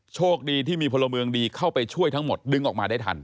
โชคดีที่มีพลเมืองดีเข้าไปช่วยทั้งหมดดึงออกมาได้ทัน